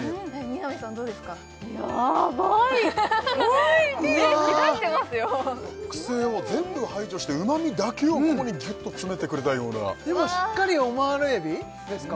おいしいうわ癖を全部排除してうまみだけをここにギュッと詰めてくれたようなでもしっかりオマール海老ですか？